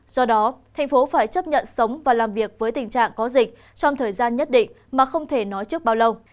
do đó thành phố phải chấp nhận sống và làm việc với tình trạng có dịch trong thời gian nhất định mà không thể nói trước bao lâu